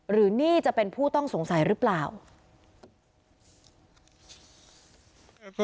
หรือนี่จะเป็นผู้ต้องสงสัยหรือเปล่า